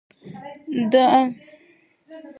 ده د اپوزېسیون ملاتړ هڅولی دی.